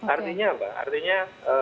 artinya apa artinya